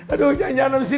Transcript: aduh jangan jangan disini